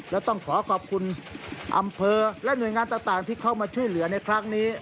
และต้องขอขอบคุณอำเภอและหน่วยงานต่างที่เข้ามาช่วยเหลือในครั้งนี้